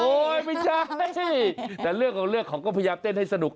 ไม่ใช่แต่เรื่องของเรื่องเขาก็พยายามเต้นให้สนุก